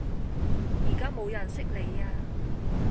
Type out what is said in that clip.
而家冇人識你呀